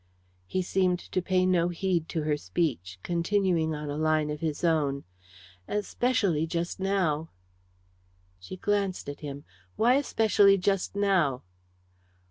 He seemed to pay no heed to her speech, continuing on a line of his own "Especially just now!" She glanced at him. "Why especially just now?"